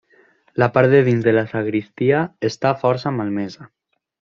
La part de dins de la sagristia està força malmesa.